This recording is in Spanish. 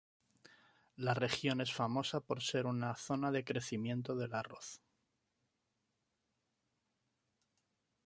La región es famosa por ser una gran zona de crecimiento del arroz.